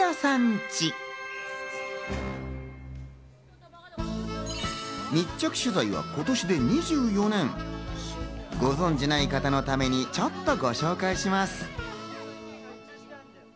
ち、密着取材は今年で２４年、ご存知ない方のためにちょっとご紹介します。